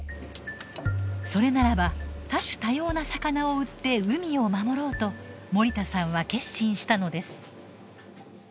それならば多種多様な魚を売って海を守ろうと森田さんは決心したのです。